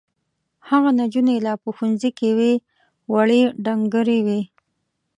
هغه نجونې لا په ښوونځي کې وې وړې ډنګرې وې.